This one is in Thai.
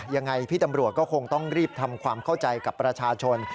ยังไงพี่ตำรวจก็คงต้องรีบทำความเข้าใจกับประชาชน